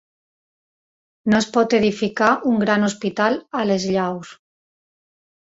No es pot edificar un gran hospital a les Llaus.